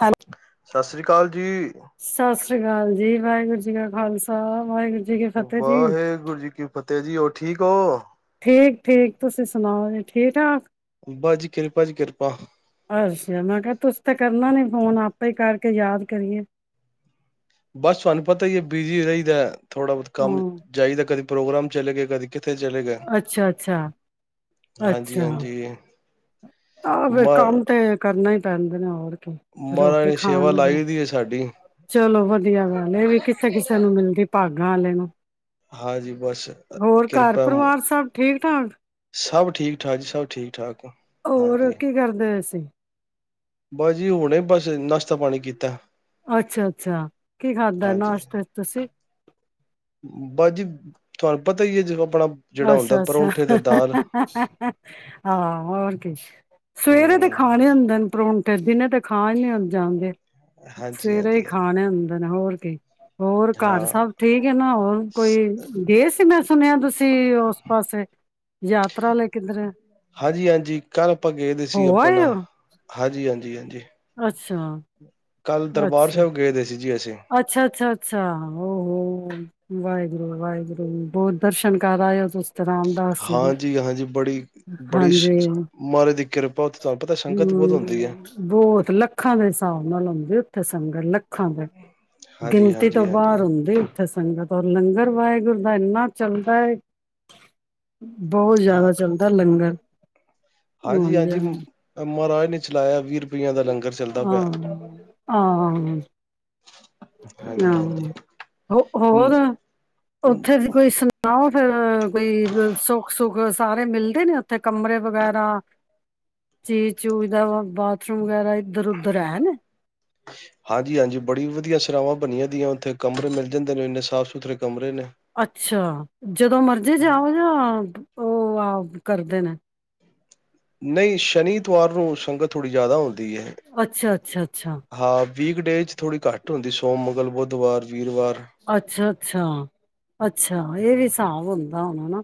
Hello. ਸਤਿ ਸ੍ਰੀ ਅਕਾਲ ਜੀ। ਸਤਿ ਸ਼੍ਰੀ ਅਕਾਲ ਜੀ, ਵਾਹਿਗੁਰੂ ਜੀ ਕਾ ਖਾਲਸਾ ਵਾਹਿਗੁਰੂ ਜੀ ਕੀ ਫਤਿਹ ਜੀ ਵਾਹਿਗੁਰੂ ਜੀ ਕੀ ਫਤ ਤੇ ਜੀ, ਹੋਰ ਠੀਕ ਹੋ? ਠੀਕ-ਠੀਕ ਤੁਸੀਂ ਸੁਣਾਓ, ਜੇ ਠੀਕ ਠਾਕ ਬਸ ਜੀ ਕਿਰਪਾ ਜੀ ਕਿਰਪਾ ਅੱਛਾ, ਮੈਂ ਕਿਹਾ ਤੁਸੀ ਤੇ ਕਰਨਾ ਨੀ ਫੋਨ, ਆਪੇ ਹੀ ਕਰਕੇ ਯਾਦ ਕਰੀਏ ਬਸ ਤੁਹਾਨੂੰ ਪਤਾ ਹੀ ਹੈ ਬਿਜੀ ਰਹੀਦਾ। ਥੋੜ੍ਹਾ ਬਹੁਤ ਕੰਮ ਹਾਂ ਜਾਈਦਾ ਕਦੇ ਪ੍ਰੋਗਰਾਮ ਚਲੇ ਗਏ, ਕਦੀ ਕਿਤ ਥੇ ਚਲੇਗੇ, ਅੱਛਾ ਅੱਛਾ ਅੱਛਾ ਹਾਂਜੀ-ਹਾਂਜੀ। ਆਹ ਫਿਰ ਕੰਮ ਤੇ ਕਰਨਾ ਹੀ ਪੈਂਦੇ ਨੇ ਹੋਰ ਮਹਾਰਾਜ ਰੋਟੀ ਨੇ ਸੇਵਾ ਖਾਨ, ਲਾਈ ਦੀ ਹੈ ਸਾਡੀ ਚਲੋ ਵਧੀਆ ਗੱਲ ਇਹ ਵੀ ਕਿਸੇ ਕਿਸੇ ਨੂੰ ਮਿਲਦੀ ਭਾ ਗਾਂ ਆਲੈ ਨੂੰ ਹਾਂਜੀ ਬਸ, ਹੋਰ ਘਰ ਕਿਰਪਾ ਪਰਿਵਾਰ [unintelligible] ਸਭ ਠੀਕ ਠਾਕ ਸਭ ਠੀਕ ਠਾਕ ਜੀ, ਸਬ ਠੀਕ-ਠਾਕ। ਹੋਰ ਕੀ ਕਰਦੇ ਪਏ ਸੀ? ਬਸ ਜੀ ਹੁਣੇ ਬਸ ਨਾਸ਼ਤਾ ਪਾਣੀ ਕੀਤਾ। ਅੱਛਾ-ਅੱਛਾ, ਕੀ ਖਾਧਾ ਹਾਂਜੀ ਨਾਸ਼ਤੇ ਚ ਤੁਸੀਂ? ਬਸ ਜੀ ਤੁਹਾਨੂੰ ਪਤਾ ਹੀ ਹੈ ਜਿਵੇਂ ਅੱਛਾ-ਅੱਛਾ, ਹਾਂ ਹੋਰ ਕਿ ਸਵੇਰੇ ਤਾਂ ਹਮ ਖਾਣੇ ਹੁੰਦੇ ਨੇ ਪਰੋਂਠ ਤੇ ਦਿਨੇ ਤੇ ਖਾਨ ਨਹੀਂ ਜਾਂਦੇ। ਹਾਂਜੀ, ਸਵੇਰੇ ਹੀ ਹਾਂਜੀ, ਹਾਂਜੀ ਖਾਣੇ ਹੁੰਦੇ ਨੇ, ਹੋਰ। [unintelligible] ਹੋਰ ਘਰ ਹਾਂ। ਸਭ ਠੀਕ ਹੈ ਨਾ, ਹੋਰ ਕੋਈ ਗਏ ਸੀ ਮੈਂ ਸੁਣਿਆ ਤੁਸੀਂ ਤੇ ਉਸ ਪਾਸੇ ਯਾਤਰਾ ਲਈ ਕਿੱਧਰ ਆ। ਹਾਂਜੀ ਹਾਂਜੀ ਕੱਲ੍ਹ ਆਪਾਂ ਗਏ ਦੇ ਸੀ ਹੋ ਆਏ ਆਪਣਾ ਹੋ ਹਾਜੀ ਹਾਂਜੀ ਹਾਂਜੀ ਅੱਛਾ ਕੱਲ ਦਰਬਾਰ ਅੱਛਾ, ਸਾਹਿਬ ਗਏ ਦੇ ਸੀ। ਜੀ ਅਸੀਂ ਅੱਛਾ ਅੱਛਾ ਅੱਛਾ ਹੋ। ਵਾਹਿਗੁਰੂ ਵਾਹਿਗੁਰੂ ਬਹੁਤ ਦਰਸ਼ਨ ਕਰ ਆਏ ਹੋ ਤੁਸੀਂ ਰਾਮਦਾਸ ਜੀ ਦੇ। ਹਾਂਜੀ, ਹਾਂਜੀ ਬੜੀ ਬੜੀ ਹਾਂਜੀ, ਸ਼- ਮਹਾਰਾਜ ਦੀ ਕਿਰਪਾ ਉੱਥੇ ਤੁਹਾਨੂੰ ਪਤਾ ਸੰਗਤ ਬਹੁਤ ਹੁੰਦੀ ਹੈ ਹੂੰ ਬਹੁਤ ਲੱਖਾਂ ਦੇ ਹਿਸਾਬ ਨਾ ਨਾ ਵੀਰੇ ਉੱਥੇ ਸੰਗਤ ਲੱਖਾਂ ਦੇ ਹਾਂਜੀ, ਗਿਣਤੀ ਹਾਂਜੀ, ਤੋਂ ਹਾਂਜੀ। ਬਾਹਰ ਹੁੰਦੀ। ਓਥੇ ਸੰਗਤ ਔਰ ਲੰਗਰ ਵਾਹਿਗੁਰ ਦਾ ਇੰਨਾ ਚੱਲਦਾ ਹੈ। ਬਹੁਤ ਹਾਂ ਜ਼ਿਆਦਾ ਚੱਲਦਾ ਲੰਗਰ ਹਾਂਜੀ ਹਾਂਜੀ ਮਹਾਰਾਜ ਨੇ ਚਲਾਇਆ ਵੀਰ ਰੁਪਏ ਆਹ ਆਹ ਹਾਂਜੀ, ਹਾਂਜੀ। ਆਹੋ ਹੂੰ ਹੋਰ ਉੱਥੇ ਵੀ ਕੋਈ ਸੁਣਾਓ ਫੇਰ ਕੋਈ ਸੁੱਖ ਸੁੱਖ ਸਾਰੇ ਮਿਲਦੇ ਨੇ ਉੱਥੇ ਕਮਰੇ ਵਗੈਰਾ ਚੀਜ ਚੂਜ ਦਾ ਬਾਥਰੂਮ ਵਗੈਰਾ ਇੱਧਰ ਉਧਰ ਹੈ ਨੇ। ਹਾਂਜੀ ਹਾਂਜੀ ਬੜੀ ਵਧੀਆ ਸਰਾਵਾ ਬਣੀਆਂ ਦੀਆਂ ਉੱਥੇ ਕਮਰੇ ਮਿਲ ਜਾਂਦੇ ਨੇ ਇੰਨੇ ਸਾਫ਼ ਸੁਥਰੇ ਕਮਰੇ। ਨੇ। ਅੱਛਾ ਜਦੋਂ ਮਰਜ਼ੀ ਹਾਂ। ਜਾਓ ਜਾਂ ਉਹ ਕਰਦੇ ਨੇ ਨਹੀਂ ਸ਼ਨੀ ਐਤਵਾਰ ਨੂੰ ਸੰਗਤ ਥੋੜ੍ਹੀ ਜ਼ਿਆਦਾ ਹੁੰਦੀ ਹੈ ਅੱਛਾ ਅੱਛਾ ਅੱਛਾ, ਹਾਂ ਵੀਕਡੇਜ ਚ ਥੋੜ੍ਹੀ ਘੱਟ ਹੁੰਦੀ ਸੋਮ, ਮੰਗਲ, ਬੁੱਧਵਾਰ। ਵੀਰਵਾਰ। ਅੱਛਾ ਅੱਛਾ ਅੱਛਾ ਇਹ ਵੀ ਹਿਸਾਬ ਹੁੰਦਾ ਹੁਣ ਹਨਾ।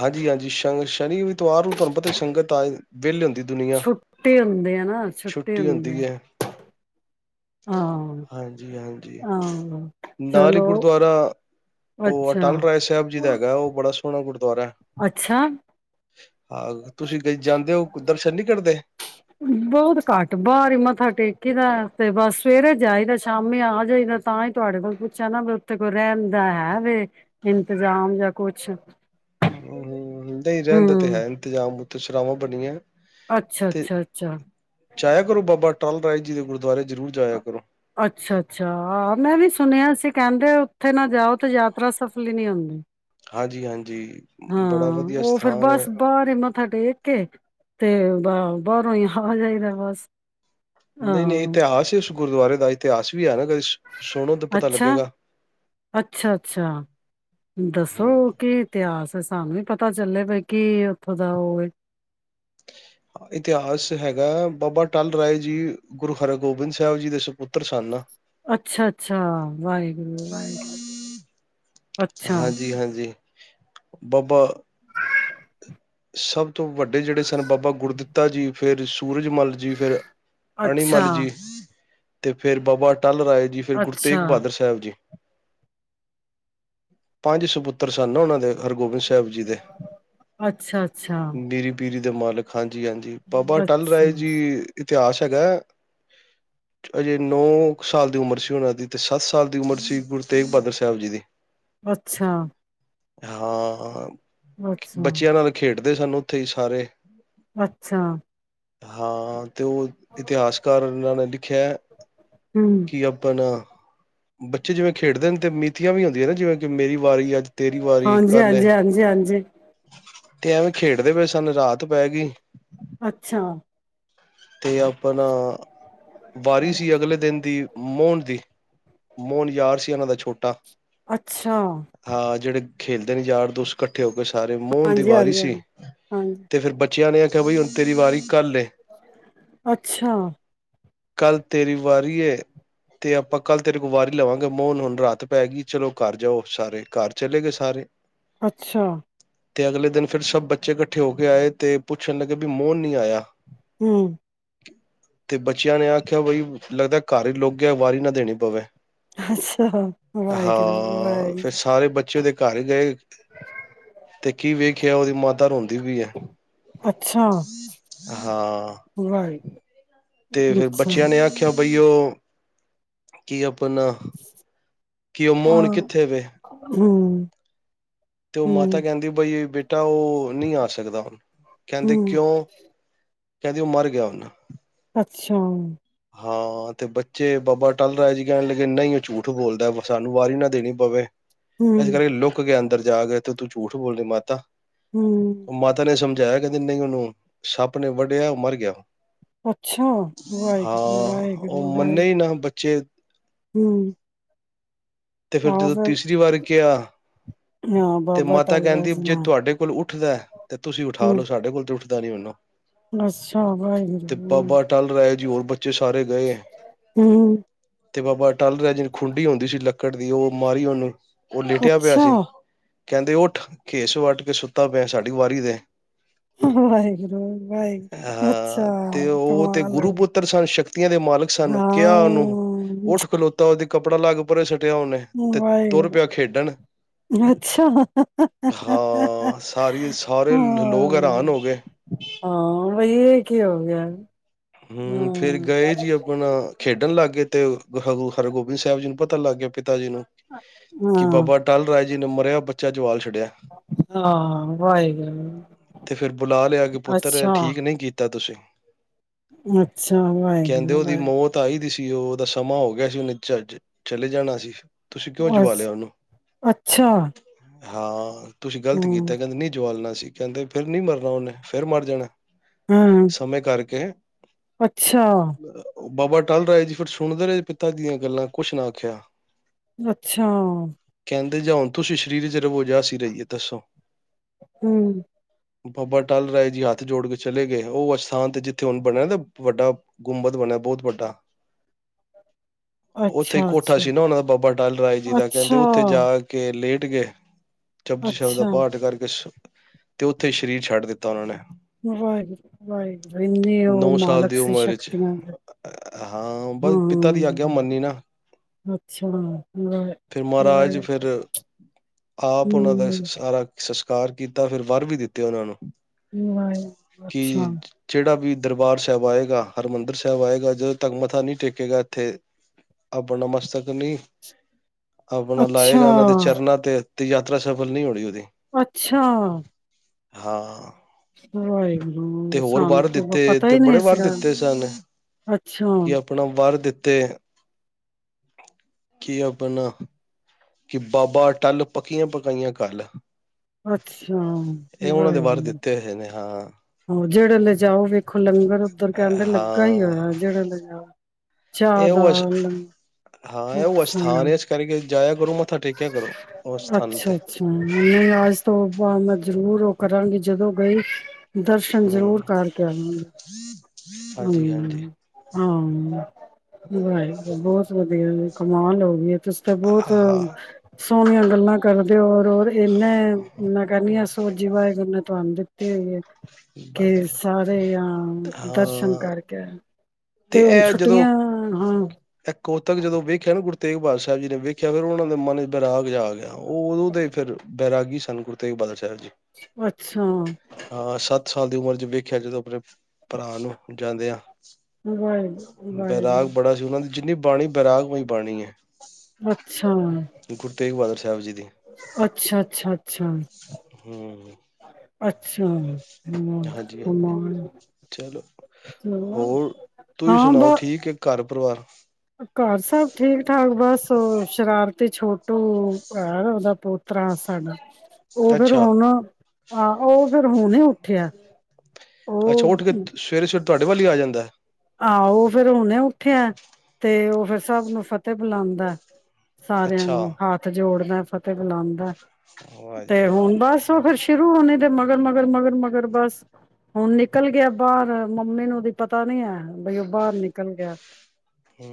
ਹਾਂਜੀ ਹਾਂਜੀ ਸ਼ਗ ਸ਼ਨੀ ਵੀ ਐਤਵਾਰ ਨੂੰ ਤੁਹਾਨੂੰ ਪਤਾ ਸੰਗਤ ਆਏ ਵਿਹਲੇ ਹੁੰਦੀ ਦੁਨੀਆਂ ਛੁੱਟੇ ਹੁੰਦੇ ਆ ਨਾ, ਛੁੱਟੇ ਛੁੱਟੀ ਹੁੰਦੇ ਆ। ਹੁੰਦੀ ਹੈ। ਹਾਂ, ਹਾਂਜੀ ਹਾਂਜੀ। ਹਾਂ, ਨਾਲ ਹੀ ਚਲੋ ਗੁਰਦੁਆਰਾ ਉਹ ਅੱਛਾ। ਅੱਟਲ ਰਾਏ ਸਾਹਿਬ ਜੀ ਦਾ ਹੈਗਾ ਉਹ ਬੜਾ ਗੁਰਦੁਆਰਾ ਹੈ। ਅੱਛਾ ਹਾਂ ਤੁਸੀਂ ਜਾਂਦੇ ਹੋ ਦਰਸ਼ਨ ਨਹੀਂ ਕਰਦੇ। ਬਹੁਤ ਘੱਟ ਬਾਹਰ ਹੀ ਮੱਥਾ ਟੇਕੀ ਦਾ ਤੇ ਬਸ ਸਵੇਰੇ ਜਾਈਦਾ ਸ਼ਾਮੀ ਆ ਜਾਈਦਾ ਤਾਂ ਹੀ ਤੁਹਾਡੇ ਕੋਲ ਪੁੱਛਿਆ ਨਾ ਵੀ ਉੱਥੇ ਕੋਈ ਰਹਿਣ ਦਾ ਹੈ ਵੀ ਇੰਤਜ਼ਾਮ ਜਾਂ ਕੁਛ ਹੂੰ ਹੂੰ ਨਈ ਰਹਿਣ ਦਾ ਤੇ ਹੂੰ, ਹੈ ਇੰਤਜ਼ਾਮ। ਅਤੇ ਸ਼ਰਾਵਾਂ ਬਣੀਆਂ ਅੱਛਾ, ਤੇ ਅੱਛਾ, ਅੱਛਾ। ਜਾਇਆ ਕਰੋ ਬਾਬਾ, ਅਟਾਲ ਰਾਏ ਜੀ ਦੇ ਗੁਰਦੁਆਰੇ, ਜ਼ਰੂਰ ਜਾਇਆ ਕਰੋ ਅੱਛਾ-ਅੱਛਾ ਮੈਂ ਵੀ ਸੁਣਿਆ ਸੀ। ਕਹਿੰਦੇ ਉੱਥੇ ਨਾ ਜਾਓ, ਤੇ ਯਾਤਰਾ ਸਫਲ ਹੀ ਨੀ ਹੁੰਦੀ। ਹਾਂਜੀ-ਹਾਂਜੀ। ਬੜਾ ਹਾਂ ਵਧੀਆ ਉਹ ਫੇਰ ਸਥਾਨ ਹੈ ਬਸ ਬਾਹਾਰੇ ਮੱਥਾ ਟੇਕ ਕੇ। ਤੇ ਬਾਹਰੋਂ ਹੀ ਆ ਜਾਈਦਾ ਬਸ ਨਹੀਂ-ਨਹੀਂ ਹਾਂ ਇਤਿਹਾਸ ਇਸ ਗੁਰਦੁਆਰੇ ਦਾ। ਇਤਿਹਾਸ ਵੀ ਐ ਨਾ, ਕਦੇ ਸੁਣੋ ਤਾਂ ਪਤਾ ਲੱਗੇਗਾ। ਅੱਛਾ-ਅੱਛਾ-ਅੱਛਾ ਦੱਸੋ, ਹੂੰ। ਕੀ ਇਤਿਹਾਸ ਤੇ ਸਾਨੂੰ ਵੀ ਪਤਾ ਚੱਲੇ, ਵੀ ਕੀ ਉੱਥੋਂ ਦਾ ਉਹ ਐ। ਇਤਿਹਾਸ ਹੈਗਾ ਬਾਬਾ ਟਲ ਰਾਏ ਜੀ ਗੁਰੂ ਹਰਿਗੋਬਿੰਦ ਸਾਹਿਬ ਜੀ ਦੇ ਸਪੁੱਤਰ ਸਨ। ਅੱਛਾ-ਅੱਛਾ, ਵਾਹਿਗੁਰੂ-ਵਾਹਿਗੁਰੂ ਅੱਛਾ। ਹਾਂਜੀ-ਹਾਂਜੀ। ਬਾਬਾ, ਸਭ, ਤੋਂ ਵੱਡੇ ਜਿਹੜੇ ਸਨ, ਬਾਬਾ ਗੁਰਦਤਾ ਜੀ ਫੇਰ ਮੁਲਜ ਮੱਲ ਜੀ ਫਿਰ, ਅੱਛਾ ਅਨੀਮਲ ਜੀ। ਤੇ ਫੇਰ ਬਾਬਾ ਅਟੱਲ ਰਾਏ ਜੀ ਫਿਰ ਗੁਰੂ ਤੇਗ ਅੱਛਾ ਬਹਾਦਰ ਸਾਹਿਬ ਜੀ। ਪੰਜ ਸਪੁੱਤਰ ਸਨ ਉਹਨਾਂ ਦੇ, ਹਰਗੋਬਿੰਦ ਸਾਹਿਬ ਜੀ ਦੇ, ਅੱਛਾ-ਅੱਛਾ, ਮੀਰੀ ਪੀਰੀ ਮਾਲਕ ਹਨ। ਜੀ ਹਾਂਜੀ ਬਾਬਾ ਅਟੱਲ ਰਾਏ ਜੀ। ਇਤਿਹਾਸ ਹੈਗਾ ਹਜੇ ਨੌ ਸਾਲ ਦੀ ਉਮਰ ਸੀ, ਉਹਨਾਂ ਦੀ ਤੇ ਸੱਤ ਸਾਲ ਦੀ ਉਮਰ ਸੀ ਗੁਰੂ ਤੇਗ ਬਹਾਦਰ ਸਾਹਿਬ ਜੀ ਦੀ। ਅੱਛਾ, ਹਾਂ, ਅੱਛਾ, ਬੱਚਿਆਂ ਨਾਲ ਖੇਡਦੇ ਸਾਨੂੰ ਉੱਥੇ ਹੀ ਸਾਰੇ, ਅੱਛਾ, ਹਾਂ, ਤੇ ਉਹ ਇਤਿਹਾਸਕਾਰ ਇਹਨਾਂ ਨੇ ਲਿਖਿਆ ਹਮ ਕਿ ਆਪਣਾ ਬੱਚੇ ਜਿਵੇਂ ਖੇਡਦੇ ਨੇ ਤੇ ਮੀਤੀਆਂ ਵੀ ਆਦੀਆਂ ਨਾ ਜਿਵੇਂ, ਕਿ ਮੇਰੀ ਵਾਰੀ ਅੱਜ ਤੇਰੀ ਵਾਰੀ ਹਾਂਜੀ ਕੱਲ ਐ। ਹਾਂਜੀ ਹਾਂਜੀ ਹਾਂਜੀ ਤੇ ਐਵੇਂ ਖੇਡਦੇ ਪਏ ਸਨ ਰਾਤ ਪੈ ਗਈ ਅੱਛਾ ਤੇ ਆਪਣਾ ਵਾਰੀ ਸੀ, ਅਗਲੇ ਦਿਨ ਦੀ ਮੋਹਣ ਦੀ ਮੋਹਨ ਯਾਰ ਸੀ, ਉਹਨਾ ਦਾ ਛੋਟਾ ਅੱਛਾ ਹਾਂ ਜਿਹੜੇ ਖੇਲਦੇ ਨੇ ਯਾਰ ਦੋਂਸਤ ਇਕੱਠੇ ਹੋਕੇ ਸਾਰੇ ਮੋਹਨ ਦੀ ਹਾਂਜੀ ਵਾਰੀ ਹਾਂਜੀ ਸੀ, ਹਾਂਜੀ ਹਾਂਜੀ ਤੇ ਫਿਰ ਬੱਚੇ ਬੱਚਿਆਂ ਨੇ ਆਖਿਆ, ਬਈ ਹੁਣ ਤੇਰੀ ਵਾਰੀ ਕੱਲੇ ਅੱਛਾ ਕੱਲ੍ਹ ਤੇਰੀ ਵਾਰੀ ਏ, ਤੇ ਆਪਾਂ ਕੱਲ੍ਹ ਤੇਰੇ ਕੋਲੋ ਵਾਰੀ ਲਵਾਂਗੇ, ਮੋਹਨ ਹੁਣ ਰਾਤ ਪੈ ਗਈ ਚਲੋ ਘਰ ਜਾਓ ਸਾਰੇ, ਘਰ ਚਲੇ ਗਏ ਸਾਰੇ ਅੱਛਾ ਤੇ ਅਗਲੇ ਦਿਨ, ਫਿਰ ਸਭ ਬੱਚੇ ਇਕੱਠੇ ਹੋ ਕੇ ਆਏ ਤੇ ਪੁੱਛਣ ਲੱਗੇ ਕੀ ਮੋਹਨ ਨੀ ਆਇਆ ਹੂ ਤੇ ਬੱਚਿਆਂ ਨੇ ਆਖਿਆ ਬਈ ਲੱਗਦਾ ਘਰ ਹੀ ਲੁਕ ਗਿਆ ਵਾਰੀ ਨਾ ਦੇਣੀ ਪਵੇ ਅੱਛਾ, ਵਾਹਿਗੁਰੂ- ਹਾਂ ਫਿਰ ਵਾਹਿਗੁਰੂ ਸਾਰੇ ਬੱਚੇ ਉਹਦੇ ਘਰ ਗਏ ਤੇ ਕੀ ਵੇਖਿਆ, ਉਹਦੀ ਮਾਤਾ ਰੋਂਦੀ ਪਈ ਏ ਅੱਛਾ, ਹਾਂ ਵਾਹਿਗੁਰੂ ਤੇ, ਫੇਰ ਅੱਛਾ, ਬੱਚਿਆਂ ਨੇ ਆਖਿਆ ਬਈ ਉਹ, ਕੀ ਆਪਨਾ, ਕਿ ਉਹ ਮੋਹਨ ਕਿੱਥੇ ਵੇ ਹਮ [unintelligible] ਤੇ ਉਹ ਮਾਤਾ ਕਹਿੰਦੀ, ਬੇਟਾ ਉਹ ਨਹੀਂ ਆ ਸਕਦਾ ਹੁਣ, ਕਹਿੰਦੇ ਹੂੰ, ਕਿਉਂ ਕਹਿੰਦੀ, ਉਹ ਮਰ ਗਿਆ ਹੁਣ ਅੱਛਾ ਹਾਂ, ਤੇ ਬੱਚੇ ਬਾਬਾ ਟੱਲ ਰਾਏ ਜੀ ਕਹਿਣ ਲਗੇ, ਨਹੀਂ ਉਹ ਝੂਠ ਬੋਲਦਾ ਸਾਨੂੰ ਵਾਰੀ ਨਾ ਦੇਣੀ ਪਵੇ ਇਸ ਹੂੰ, ਕਰਕੇ ਲੁੱਕ ਗਿਆ ਅੰਦਰ ਜਾ ਗਏ ਤਾਂ ਤੂੰ ਝੂਠ ਬੋਲ ਰਹੀ ਏ ਮਾਤਾ ਹੂੰ, ੳਹ ਮਾਤਾ ਨੇ ਸਮਝਾਇਆ ਕਹਿੰਦੇ ਨਹੀਂ ਉਹਨੂੰ ਸੱਪ ਨੇ ਵੱਡਿਆ ਉਹ ਮਰ ਗਿਆ। ਅੱਛਾ, ਵਾਹਿਗੁਰੂ ਹਾਂ, ਉਹ ਮੰਨੇ ਹੀ ਨਾ ਬੱਚੇ ਹੂ ਤੇ ਫਿਰ ਜਦੋਂ ਤੀਸਰੀ ਵਾਰ ਕਿਹਾ ਹਾਂ ਤੇ ਬਾਬਾ ਮਾਤਾ ਟਾਲਰਾ ਕਹਿੰਦੀ ਜੀ ਜੇ ਨਾਲ ਤੁਹਾਡੇ ਕੋਲ ਉੱਠਦਾ ਐ ਤੇ ਤੁਸੀਂ ਉਠਾ ਹੂੰ, ਲੋ, ਸਾਡੇ ਕੋਲ ਤੇ ਉੱਠ। [unintelligible] ਅੱਛਾ ਵਾਹਿਗੁਰੂ। ਟਲ ਰਾਏ ਜੀ ਹੋਰ ਬੱਚ ਚੇ ਸਾਰੇ ਗਏ ਐ। ਹੂੰ, ਤੇ ਬਾਬਾ ਅਟਲ ਰਿਹਾ ਜਿਹੂੰ ਖੁੰਡੀ ਹੁੰਦੀ ਸੀ ਲੱਕੜ ਦੀ ਉਹ ਮਾਰੀ ਉਹਨੂੰ ਉਹ ਲੇਟਿਆ ਪਿਆ ਅੱਛਾ, ਸੀ। ਕਹਿੰਦੇ ਉੱਠ ਖੇਸ ਵੱਟ ਕੇ ਸੁੱਤਾ ਪਿਆ, ਸਾਡੀ ਵਾਰੀ ਦੇ। ਵਾਹਿਗੁਰੂ, ਵਾਹਿਗੁਰੂ ਅੱਛਾ, ਹਾਂ ਤੇ ਉਹ ਤੇ ਕਮਾਲ ਹੋ ਗੁਰੂ ਗਈ ਪੁੱਤਰ ਸਨ, ਸ਼ਕਤੀਆਂ ਦੇ ਮਾਲਕ ਸਨ, ਕਿਆ ਉਹਨੂੰ ਉਠ ਹਾਂ, ਖਲੋਤਾ ਉਹਦੇ ਕੱਪੜਾ ਲਾ ਕੇ ਪਰਾ ਸੁਟਿਆ ਉਹਨੇ ਤੇ ਤੁਰ ਵਾਹਿਗੁਰੂ ਪਿਆ ਖੇਡਣ। ਹਾਂ ਹਾਂ ਸਾਰੀ ਸਾਰੇ ਲੋਕ ਹੈਰਾਨ ਹੋ ਗਏ ਬਈ ਇਹ ਕੀ ਹੋ ਗਿਆ। ਹੂੰ, ਫੇਰ ਹਾਂ, ਗਏ ਜੀ ਆਪਣਾ ਖੇਡਣ ਲੱਗ ਗਏ ਤੇ [unintelligible] ਹਰ ਗੋਬਿੰਦ ਸਾਹਿਬ ਜੀ ਨੂੰ ਪਤਾੱ ਲੱਗ ਗਿਆ ਜੀ ਨੂੰ ਕਿ ਹਾਂ, ਬਾਬਾ ਅਟਲ ਰਾਏ ਜਿਹਨੂੰ ਮਰਿਆ ਬੱਚਾ ਜਵਾਲ ਹਾਂ ਵਾਹਿਗੁਰੂ ਤੇ ਫਿਰ ਬੁਲਾ ਲਿਆ ਕਿ ਪੁੱਤਰ ਅੱਛਾ। ਠੀਕ ਨਹੀਂ ਕੀਤਾ ਤੁਸੀਂ। ਅੱਛਾ ਵਾਹਿਗੁਰੂ ਵਾਹਿ ਕਿ ਉਹ ਉਹਦਾ ਸਮਾਂ ਹੋ ਗਿਆ ਸੀ, ਉਹਨੇ ਝੱਜ ਚਲੇ ਜਾਣਾ ਸੀ। ਤੁਸੀਂ ਕਿਉਂ ਜਵਾ ਲਿਆ ਉਹਨੂੰ ਅੱਛ-ਅੱਛਾ। ਹਾਂ। ਤੁਸੀਂ ਗਲਤ ਕੀਤਾ ਕਹਿੰਦੇ ਨਹੀਂ ਜਵਾਲਨਾ ਸੀਂ ਕਹਿੰਦੇ ਫੇਰ ਨੀ ਮਰਨਾ ਉਹਨੇ, ਫੇਰ ਮਰ ਜਾਣਾ ਐ। ਹੂੰ ਸਮੇਂ ਕਰਕੇ ਅੱਛਾ। ਅਹ, ਬਾਬਾ ਅਟਲ ਰਾਏ ਜੀ ਫਿਰ ਸੁਣਦੇ ਰਹੇ ਪਿਤਾ ਦੀਆਂ ਗੱਲਾਂ ਕੁਛ ਨਾ ਆਖਿਆ। ਅੱਛਾ। ਕਹਿੰਦੇ ਜਾ ਹੁਣ ਤੁਸੀਂ ਸਰੀਰ ਚ ਰਹੋ ਜਾ ਅਸੀ ਰਹੀਏ ਦੱਸੋ। ਹੂੰ। ਬਾਬਾ ਅਟਲ ਰਾਏ ਜੀ ਹੱਥ ਜੋੜ ਕੇ ਚਲੇ ਗਏ, ਉਹ ਅਸਥਾਨ ਤੇ ਜਿੱਥੇ ਹੁਨ ਬਣਿਆ [unintelligible] ਵੱਡਾ ਗੁੰਬਦ ਬਣਿਆ ਬਹੁਤ ਵੱਡਾ। ਉੱਥੇ ਅੱਛਾ, ਕੋਠਾ ਅੱਛਾ, ਸੀ ਨਾ ਉਹਨਾਂ ਦਾ ਬਾਬਾ ਅਟੱਲ ਰਾਏ ਜੀ ਦਾ ਕਹਿੰਦੇ ਅੱਛਾ, ਉੱਥੇ ਜਾ ਕੇ ਲੇਟ ਗਏ ਜਪੁਜੀ ਸਾਹਿਬ ਦਾ ਅੱਛਾ ਪਾਠ ਕਰਕੇ ਸੋ ਤੇ ਉੱਥੇ ਸਰੀਰ ਛੱਡ ਦਿੱਤਾ ਉਹਨਾਂ ਨੇ ਵਾਹਿਗੁਰੂ ਵਾਹਿਗੁਰੂ ਇੰਨੇ ਉਹ ਨੌ ਸਾਲ ਮਾਲਕ ਦੀ ਸੀ ਉਮਰ ਵਿੱਚ ਸ਼ਕਤੀਆਂ ਦੇ ਹਾਂ ਬਸ ਪਿਤਾ ਦੀ ਆਗਿਆ ਹਾਂ ਮੰਨੀ ਨਾ ਅੱਛਾ ਫਿਰ ਵਾਹਿਗੁਰੂ, ਮਹਾਰਾਜ ਵਾਹਿਗੁਰੂ ਫਿਰ ਹੂੰ, ਕਾਰ ਕੀਤਾ ਫਿਰ ਵਰ ਵੀ ਦਿੱਤੇ ਉਹਨਾਂ ਨੂੰ ਵਾਹਿ ਕਿ ਅੱਛਾ ਜਿਹੜਾ ਵੀ ਦਰਬਾਰ ਸਾਹਿਬ ਆਏਗਾ ਹਰਿਮੰਦਰ ਸਾਹਿਬ ਆਏਗਾ ਜਦੋਂ ਤੱਕ ਮੱਥਾ ਨਹੀਂ ਟੇਕੇਗਾ ਇੱਥੇ ਆਪਣਾ ਮਸਤਕ ਨਹੀਂ ਆਪਣਾ ਅੱਛਾ, ਲਾਏਗਾ ਇਹਨਾਂ ਦੇ ਚਰਨਾਂ ਤੇ ਤੇ ਯਾਤਰਾ ਸਫਲ ਨਹੀਂ ਹੋਣੀ ਉਹਦੀ ਅੱਛਾ ਹਾਂ ਤੇ ਵਾਹਿਗੁਰੂ ਹੋਰ ਵਰ ਸ਼ਾਂਤੀ ਦਿੱਤੇ ਬਖਸ਼ੀ ਤੇ ਬੜੇ ਵਰ ਦਿੱਤੇ ਸਨ ਅੱਛਾ, ਕਿ ਆਪਣਾ ਵਰ ਦਿੱਤੇ ਕੀ ਆਪਣਾ ਕਿ ਬਾਬਾ ਅਟੱਲ ਪੱਕੀਆਂ ਪਕਾਈਆਂ ਘੱਲ ਅੱਛਾ ਦੇ ਵਰ ਵਾਹਿਗੁਰੂ ਦਿੱਤੇ ਹੋਏ ਨੇ ਹਾਂ ਹਾਂ ਜਿਹੜਾ ਲਿਜਾਓ ਵੇਖੋ ਲੰਗਰ ਉਧਰ ਕਹਿੰਦੇ ਲੱਗਾ ਹੀ ਹੋਇਆ ਹਾਂ ਜਿਹੜਾ ਲਿਜਾਓ ਚਾਹ ਇਹ ਦਾ ਉਹ ਅਸ ਹਾਂ ਲੰਗਰ ਇਹ ਉਹ ਅੱਛਾ ਅਸਥਾਨ ਇਸ ਕਰਕੇ ਜਾਇਆ ਕਰੋ ਮੱਥਾ ਟੇਕਿਆ ਕਰੋ ਉਸ ਸਥਾਨ ਅੱਛਾ ਤੇ ਅੱਛਾ ਨਹੀਂ ਅੱਜ ਤੋਂ ਬਾਅਦ ਮੈਂ ਜ਼ਰੂਰ ਉਹ ਕਰਾਂਗੀ ਜਦੋਂ ਗਈ ਦਰਸ਼ਨ ਹਮ ਜ਼ਰੂਰ ਕਰਕੇ ਆਵਾਂਗੇ। ਹਾਂਜੀ ਹਾਂਜੀ ਹੂੰ ਹਾਂ ਹੂੰ ਵਾਹਿਗੁਰੂ ਬਹੁਤ ਵਧੀਆ ਕਮਾਲ ਹੋ ਗਈ ਏ। ਤੇ ਬਹੁਤ ਹਾਂ ਸੋਹਣੀਆਂ ਗੱਲਾਂ ਕਰਦੇ ਹੋ ਔਰ ਇਹਨੇ ਮੈਂ ਕਿਹਨੀ ਆ ਸੋਝੀ ਵਾਹਿਗੁਰੂ ਨੇ ਤੁਹਾਨੂੰ ਦਿੱਤੀ ਤੇ ਬਸ ਕਿ ਜੀ ਬਸ। ਸਾਰੇ ਆ ਦਰਸ਼ਨ ਹਾਂ ਕਰਕੇ ਤੇ ਹੁਣ ਛੁੱਟੀਆਂ ਹਾਂ ਤੱਕ ਜਦੋਂ ਵੇਖਿਆ ਨਾ ਗੁਰੂ ਤੇਗ ਬਹਾਦੁਰ ਸਾਹਿਬ ਜੀ ਨੇ ਵੇਖਿਆ, ਫਿਰ ਉਹਨਾਂ ਦੇ ਮਨ ਚ ਬੈਰਾਗ ਜਿਯਾ ਆ ਗਿਆ। ਉਹ ਉਦੋਂ ਦੇ ਫੇਰ ਬੈਰਾਗੀ ਤਨ ਗੁਰੂ ਤੇਗ ਬਹਾਦੁਰ ਸਾਹਿਬ ਅੱਛਾ। ਹਾਂ ਸੱਤ ਸਾਲ ਦੀ ਉਮਰ ਚ ਵੇਖਿਆ, ਜਦੋਂ ਆਪਣੇ ਭਰਾ ਨੂੰ ਜਾਦਿਆ ਵਾਹਿਗੁਰੂ ਬੈਰਾਗ ਵਾਹਿਗੁਰੂ ਬੜਾ ਸੀ, ਉਹਨਾਂ ਦੀ ਜਿੰਨੀ ਬਾਣੀ ਬੈਰਾਗ ਔ ਹੀ ਬਾਣੀ ਹੈ, ਅੱਛਾ ਗੁਰੂ ਤੇਗ ਬਹਾਦਰ [unintelligible] ਅੱਛਾ, ਅੱਛਾ। ਅੱਛਾ। ਹੂੰ, ਅੱਛਾ ਹਮ ਹਾਂਜੀ ਹਾਂਜੀ, ਕਮਾਲ ਚਲੋ ਚਲੋ ਹੋਰ ਤੁਸੀਂ ਹਾਂ ਬ ਸੁਣਾਓ ਠੀਕ ਹੈ, ਘਰ ਪਰਿਵਾਰ ਘਰ ਸਭ ਠੀਕ ਠਾਕ, ਬਸ ਹੋਰ ਸ਼ਰਾਰਤੀ ਛੋਟੂ ਭਰਾ ਹੈ,, ਉਹਦਾ ਪੋਤਰਾ ਸਾਡਾ ਔ ਫੇਰ ਹੁਣ ਅੱਛਾ ਔ ਨਾ ਹਾ, ਉਹ ਫੇਰ ਹੁਣੇ ਉੱਠਿਆ। ਅੱਛਾ ਉਹ ਉਠ ਕੇ ਸਵੇਰੇ ਸਵੇਰੇ ਤੁਹਾਡੇ ਵੱਲ ਹੀ ਆ ਜਾਂਦਾ। ਆਹੋ ਉਹ ਫੇਰ ਹੁਣੇ ਉੱਠਿਆ ਤੇ ਉਹ ਫੇਰ ਸਭ ਨੂੰ ਫਤਿਹ ਬੁਲਾਉਂਦਾ। ਸਾਰਿਆਂ ਅੱਛਾ ਨੂੰ ਹਾਥ ਜੋੜਦਾ ਫਤਿਹ ਬੁਲਾਉਂਦਾ। ਵਾਹ ਜੀ ਤੇ ਵਾਹ ਹੁਣ ਬਸ ਫਿਰ ਸ਼ੁਰੂ ਹੋਣੇ ਦੇ ਮਗਰ ਮਗਰ ਮਗਰ ਮਗਰ ਬਸ ਹੁਣ ਨਿਕਲ ਗਿਆ, ਬਾਹਰ ਮੰਮੀ ਨੂੰ ਉਹਦਾ ਪਤਾ ਨੀ ਹੈ। ਬਈ ਉਹ ਬਾਹਰ ਨਿਕਲ ਗਿਆ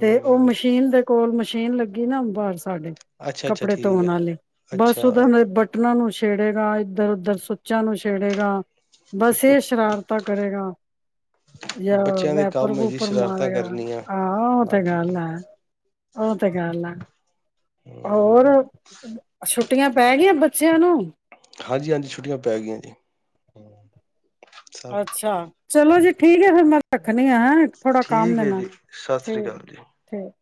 ਤੇ ਉਹ ਮਸ਼ੀਨ ਦੇ ਕੋਲ ਮਸ਼ੀਨ ਲੱਗੀ ਨਾ ਬਸ ਸਾਡੇ ਅੱਛਾ ਅੱਛਾ ਕੱਪੜੇ ਠੀਕ ਧੋਣ ਹੈ ਵਾਲੇ ਬਸ ਅੱਛਾ ਉਹਦਾ ਊਨਾਨੂ ਛੇੜੇਗਾ, ਇੱਧਰ ਉਧਰ ਸੁੱਚਾਂ ਨੂੰ ਛੇੜੇਗਾ। ਬਸ ਇਹ ਸ਼ਰਾਰਤਾ ਕਰੇਗਾ ਜਾਂ ਬੱਚਿਆਂ ਦੇ ਵਾਏਪਰ ਕੰਮ ਹੈ ਜੀ ਵੂਪਰ ਸ਼ਰਾਰਤਾਂ ਮਾਰੇਗਾ, ਕਰਨੀਆਂ ਆਹ ਉਹ ਤੇ ਹਾਂਜੀ ਗੱਲ ਹੈ। ਔ ਤੇ ਗੱਲ ਐ ਹੋਰ ਹਮ ਅੱਛਾ ਛੁਟੀਆਂ ਪੈ ਗਈਆਂ ਬੱਚਿਆਂ ਨੂੰ। ਹਾਂਜੀ-ਹਾਂਜੀ ਛੁੱਟੀਆਂ ਪੈ ਗਈਆਂ ਨੇ। ਅੱਛਾ। ਚਲੋ ਜੀ ਠੀਕ ਠੀਕ ਫਿਰ ਮੈਂ ਰੱਖਣੀ ਆ, ਥੋੜਾ ਠੀਕ ਕੰਮ ਏ ਹੈ ਜੀ, ਮੈਨੂੰ ਸਤਿ ਸ੍ਰੀ ਅਕਾਲ ਜੀ। ਠੀਕ-ਠੀਕ। [inaudible]